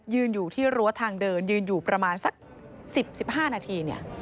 อยู่ที่รั้วทางเดินยืนอยู่ประมาณสัก๑๐๑๕นาที